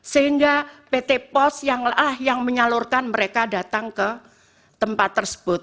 sehingga pt pos yang menyalurkan mereka datang ke tempat tersebut